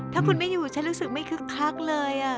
ถ้าคุณไม่อยู่ฉันรู้สึกไม่คึกคักเลย